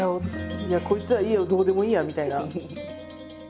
「こいつはいいよどうでもいいや」みたいな。